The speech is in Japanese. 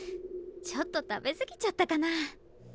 ちょっと食べ過ぎちゃったかな？